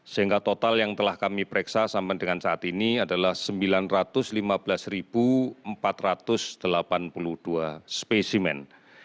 sehingga total yang telah kami pereksa sampai dengan saat ini adalah sembilan ratus lima belas empat ratus delapan puluh dua spesimen